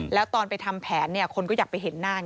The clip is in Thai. แล้วตอนไปทำแผนคนก็อยากไปเห็นหน้าไง